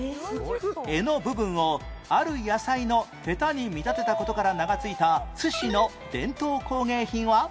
柄の部分をある野菜のヘタに見立てた事から名が付いた津市の伝統工芸品は？